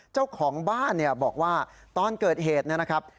เจ้าของบ้านเนี่ยบอกว่าตอนเกิดเหตุนะครับ